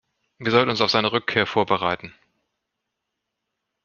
Wir sollten uns auf seine Rückkehr vorbereiten.